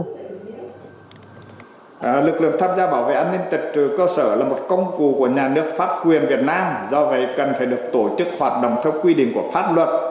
lực lượng tham gia bảo vệ an ninh trật tự cơ sở là một công cụ của nhà nước pháp quyền việt nam do vậy cần phải được tổ chức hoạt động theo quy định của pháp luật